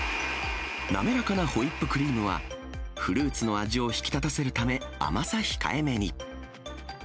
滑らかなホイップクリームは、フルーツの味を引き立たせるため、甘さ控えめに。